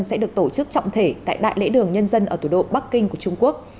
sẽ được tổ chức trọng thể tại đại lễ đường nhân dân ở thủ đô bắc kinh của trung quốc